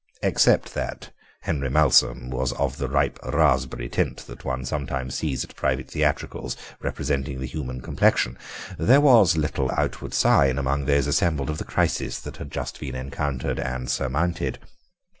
Except that Henry Malsom was of the ripe raspberry tint that one sometimes sees at private theatricals representing the human complexion, there was little outward sign among those assembled of the crisis that had just been encountered and surmounted.